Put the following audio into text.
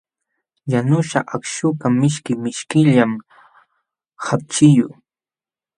Yanuśhqa akśhukaq mishki mishkillam hapchiyuq.